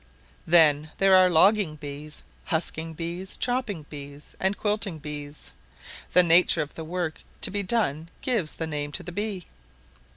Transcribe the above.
Then there are logging bees, husking bees, chopping bees, and quilting bees. The nature of the work to be done gives the name to the bee.